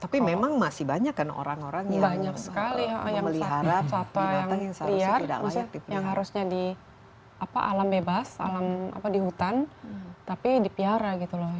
tapi memang masih banyak kan orang orang yang memelihara satwa yang liar yang harusnya di alam bebas di hutan tapi dipiara gitu loh